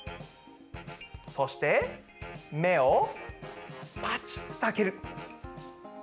そしてめをパチッとあける。